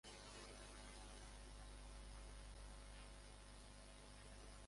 اعترفوا بخسارتهم.